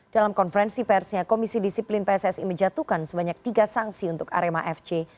dalam konferensi persnya komisi disiplin pssi menjatuhkan sebanyak tiga sanksi untuk arema fc